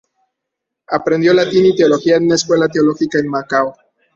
Aprendió latín y teología en una escuela teológica en Macao.